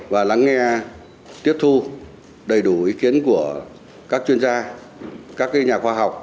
và lắng nghe tiếp thu đầy đủ ý kiến của các chuyên gia các nhà khoa học